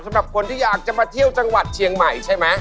สำหรับคนที่อยากจะมาเที่ยวจังหวัดเชียงใหม่ใช่ไหม